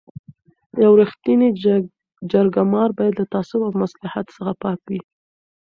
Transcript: یو رښتینی جرګه مار باید له تعصب او مصلحت څخه پاک وي.